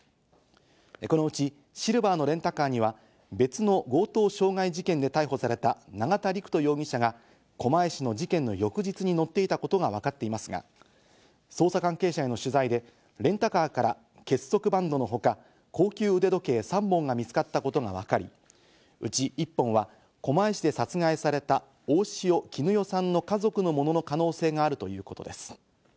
このうち、シルバーのレンタカーには別の強盗傷害事件で逮捕された永田陸人容疑者が狛江市の事件の翌日に乗っていたことがわかっていますが、捜査関係者への取材でレンタカーから結束バンドのほか、高級腕時計３本が見つかったことがわかり、うち１本は狛江市で殺害された大塩衣与さんの家族の物の可能性があるということです。